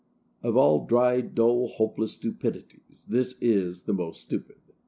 Of all dry, dull, hopeless stupidities, this is the most stupid.